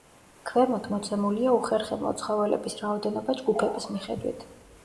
ქვემოთ მოცემულია უხერხემლო ცხოველების რაოდენობა ჯგუფების მიხედვით.